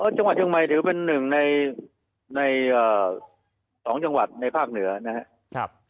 จังหวัดเชียงใหม่ถือเป็นหนึ่งใน๒จังหวัดในภาคเหนือนะครับ